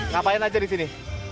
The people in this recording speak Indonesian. ngapain aja disini